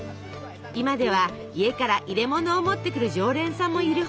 今では家から入れものを持ってくる常連さんもいるほど。